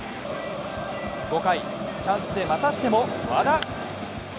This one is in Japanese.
５回、チャンスでまたしても和田。